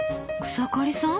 草刈さん